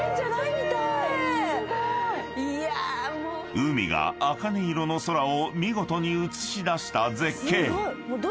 ［海があかね色の空を見事に映し出した絶景］